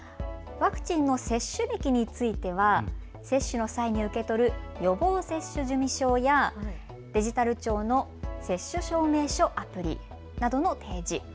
ワクチンの接種歴については接種の際に受け取る予防接種済証やデジタル庁の接種証明書アプリなどの提示。